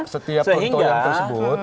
setiap kontrolin tersebut